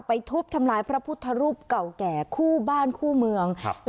ทุบทำลายพระพุทธรูปเก่าแก่คู่บ้านคู่เมืองครับ